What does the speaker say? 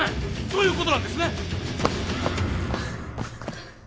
ということなんですね